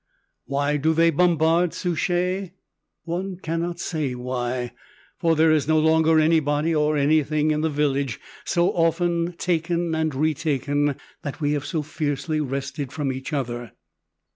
Why do they bombard Souchez? One cannot say why, for there is no longer anybody or anything in the village so often taken and retaken, that we have so fiercely wrested from each other.